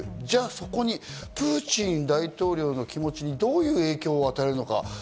じゃあそこにプーチン大統領の気持ちにどういう影響を与えるのか。